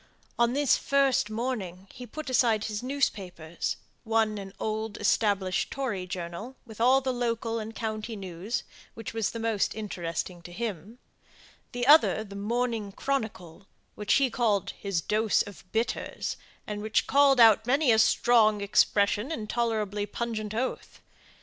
On this first morning he put aside his newspapers one an old established Tory journal, with all the local and county news, which was the most interesting to him; the other the Morning Chronicle, which he called his dose of bitters, and which called out many a strong expression and tolerably pungent oath.